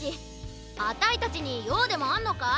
あたいたちにようでもあんのか？